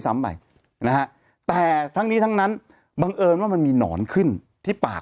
ซ้ำไปนะฮะแต่ทั้งนี้ทั้งนั้นบังเอิญว่ามันมีหนอนขึ้นที่ปาก